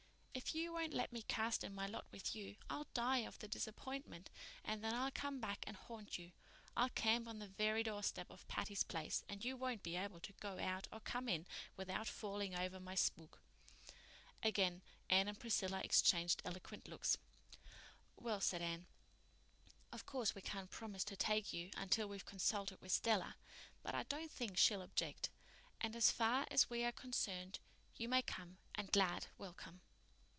If you won't let me cast in my lot with you I'll die of the disappointment and then I'll come back and haunt you. I'll camp on the very doorstep of Patty's Place and you won't be able to go out or come in without falling over my spook." Again Anne and Priscilla exchanged eloquent looks. "Well," said Anne, "of course we can't promise to take you until we've consulted with Stella; but I don't think she'll object, and, as far as we are concerned, you may come and glad welcome."